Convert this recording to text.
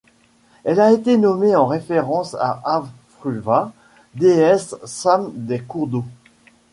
Elle a été nommée en référence à Avfruvva, déesse same des cours d'eau.